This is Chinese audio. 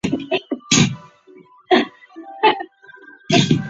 好多年前离家出走了